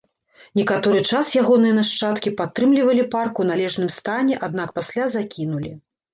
Некаторы час ягоныя нашчадкі падтрымлівалі парк у належным стане, аднак пасля закінулі.